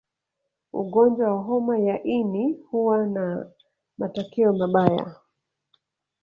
Ugonjwa wa homa ya ini huwa na matokeo mabaya